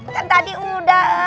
kan tadi udah